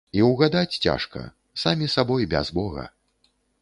І ўгадаць цяжка, самі сабой без бога.